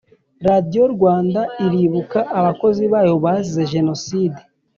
Radiyo Rwanda iribuka abakozi bayo bazize jenoside